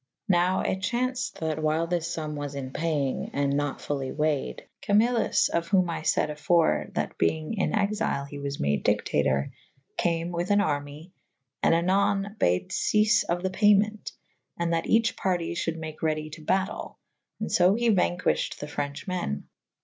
Nowe it chaunced that while this fumme was in payenge /& nat fully wayed / Camillus of whome I fayd afore / that beyng in exile he was made dictatour / came with an army / and anone bad feafe of the payment / and that eche party fhulde rnake redy to batyle" / and so he vainquiffhed the frenche men.